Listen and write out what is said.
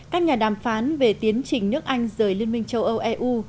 các nhà đàm phán về tiến trình nước anh rời liên minh châu âu eu